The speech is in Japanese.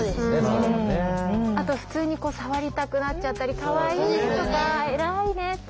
あと普通にこう触りたくなっちゃったりかわいいとか偉いねって。